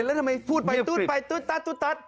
แล้วทำไมพูดไปตุ๊ดไปตุ๊ดตั๊ด